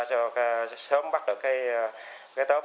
cho sớm bắt được cái tớp